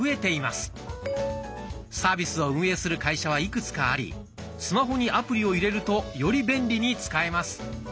サービスを運営する会社はいくつかありスマホにアプリを入れるとより便利に使えます。